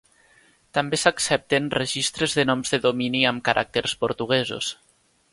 També s'accepten registres de noms de domini amb caràcters portuguesos.